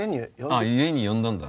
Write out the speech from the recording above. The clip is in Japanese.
あっ家に呼んだんだ。